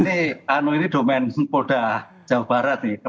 ya ini domen polda jawa barat nih